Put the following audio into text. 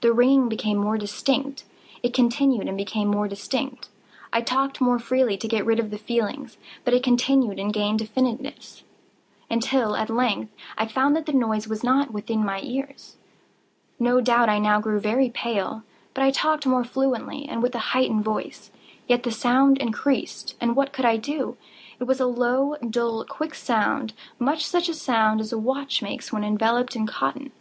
The ringing became more distinct:—it continued and became more distinct: I talked more freely to get rid of the feeling: but it continued and gained definiteness—until, at length, I found that the noise was not within my ears. No doubt I now grew very pale;—but I talked more fluently, and with a heightened voice. Yet the sound increased—and what could I do? It was a low, dull, quick sound—much such a sound as a watch makes when enveloped in cotton.